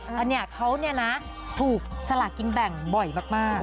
อันนี้เขาเนี่ยนะถูกสลากินแบ่งบ่อยมาก